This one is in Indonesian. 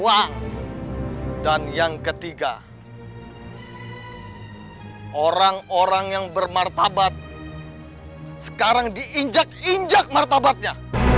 ada orang yang tidak mau dan mengenal dengan namanya